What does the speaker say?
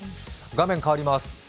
画面変わります。